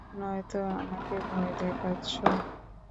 নয়তো আমাকে ভয় দেখাচ্ছো।